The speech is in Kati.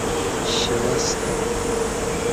شِمستہ